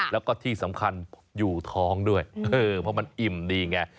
แล้วก็ที่สำคัญอยู่ท้องด้วยเพราะมันอิ่มดีไง